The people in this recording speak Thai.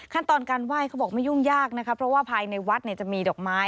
ขั้นตอนการไหว้เขาบอกไม่ยุ่งยากนะคะเพราะว่าภายในวัดเนี่ยจะมีดอกไม้